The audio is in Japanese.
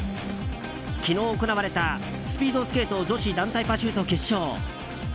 昨日行われたスピードスケート女子団体パシュート決勝。